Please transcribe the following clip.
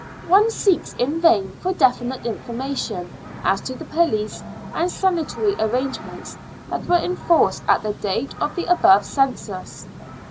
One seeks in vain for definite information as to the police and sanitary arrangements that were in force at the date of the above census.